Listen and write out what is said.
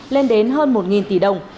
lên đến hơn một tỷ đồng